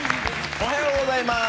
おはようございます。